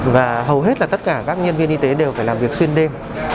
và hầu hết là tất cả các nhân viên y tế đều phải làm việc xuyên đêm